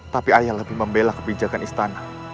tapi ayah lebih membela kebijakan istana